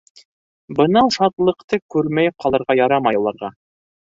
Бынау шатлыҡты күрмәй ҡалырға ярамай уларға.